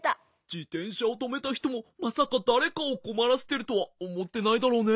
じてんしゃをとめたひともまさかだれかをこまらせてるとはおもってないだろうね。